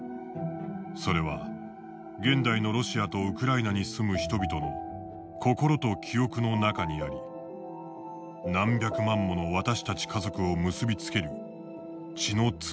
それは現代のロシアとウクライナに住む人々の心と記憶の中にあり何百万もの私たち家族を結び付ける血のつながりの中にある」。